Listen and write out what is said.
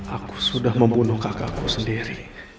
aku sudah membunuh kakakku sendiri